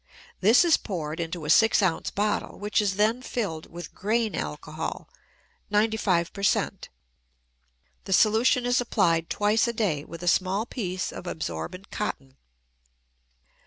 This is poured into a six ounce bottle, which is then filled with grain alcohol (95 per cent). The solution is applied twice a day with a small piece of absorbent cotton.